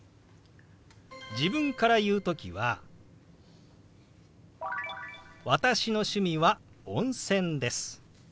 自分から言う時は「私の趣味は温泉です」。